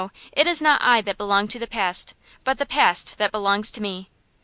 it is not I that belong to the past, but the past that belongs to me.